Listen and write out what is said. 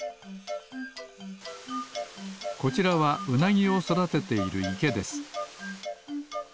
こちらはウナギをそだてているいけです